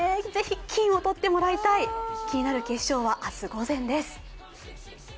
ぜひ、金を取ってもらいたい気になる決勝は明日午前です。